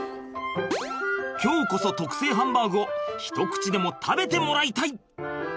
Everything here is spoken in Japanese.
今日こそ特製ハンバーグを一口でも食べてもらいたい！